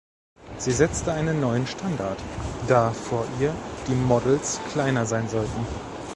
Sie setzte einen neuen Standard, da vor ihr die Modells kleiner sein sollten.